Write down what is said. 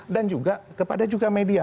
dan juga kepada juga media